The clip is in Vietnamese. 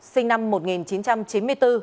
sinh năm một nghìn chín trăm chín mươi bốn